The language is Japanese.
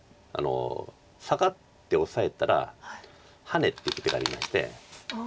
サガってオサえたらハネていく手がありまして。